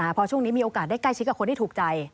พอช่วงนี้มีโอกาสได้ใกล้ชิดกับคนที่ถูกใจ